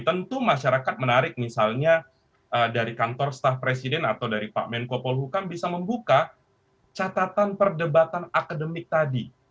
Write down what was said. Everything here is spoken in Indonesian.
tentu masyarakat menarik misalnya dari kantor staf presiden atau dari pak menko polhukam bisa membuka catatan perdebatan akademik tadi